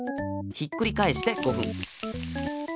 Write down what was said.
ひっくりかえして５ふん。